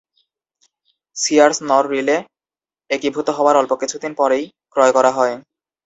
সিয়ার্স-নর রিলে একীভূত হওয়ার অল্প কিছুদিন পরেই ক্রয় করা হয়।